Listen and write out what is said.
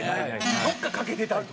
どこか欠けてたりとか。